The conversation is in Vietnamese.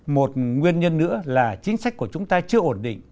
một nguyên nhân nữa là chính sách của chúng ta chưa ổn định